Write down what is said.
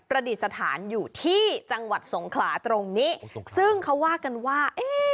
ดิษฐานอยู่ที่จังหวัดสงขลาตรงนี้ซึ่งเขาว่ากันว่า